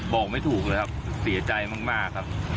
บอกไม่ถูกเลยสวัสดีค่ะ